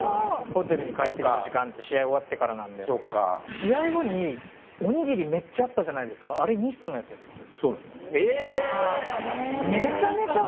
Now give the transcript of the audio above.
ホテルに帰ってくる時間って試合終わってからなんで試合後におにぎりめっちゃあったじゃないですかめちゃめちゃ